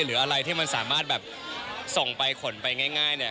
หรืออะไรที่มันสามารถแบบส่งไปขนไปง่ายเนี่ย